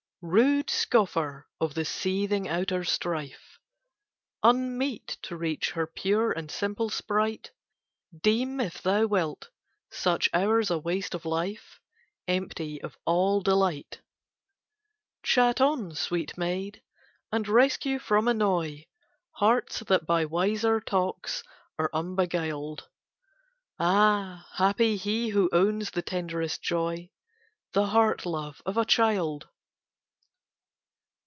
Rude scoffer of the seething outer strife, Unmeet to read her pure and simple spright, Deem, if thou wilt, such hours a waste of life, Empty of all delight! Chat on, sweet Maid, and rescue from annoy Hearts that by wiser talk are unbeguilded. Ah, happy he who owns the tenderest joy, The heart love of a child!